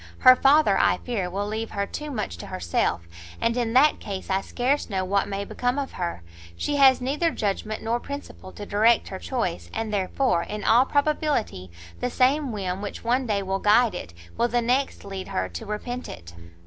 Her father, I fear, will leave her too much to herself, and in that case I scarce know what may become of her; she has neither judgment nor principle to direct her choice, and therefore, in all probability, the same whim which one day will guide it, will the next lead her to repent it."